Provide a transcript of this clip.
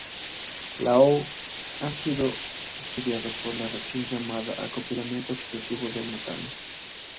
LaO ha sido estudiado por la reacción llamada acoplamiento oxidativo del metano.